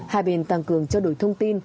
hà bình tăng cường trao đổi thông tin